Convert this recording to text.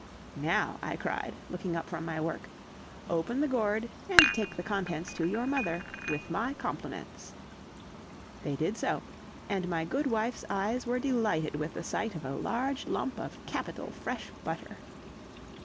"Now," I cried, looking up from my work, "open the gourd and take the contents to your mother, with my compliments." They did so; and my good wife's eyes were delighted with the sight of a large lump of capital fresh butter.